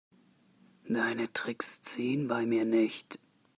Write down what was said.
Deine Tricks ziehen bei mir nicht.